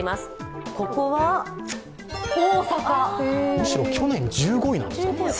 むしろ去年１５位なんですか。